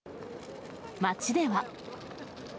街では。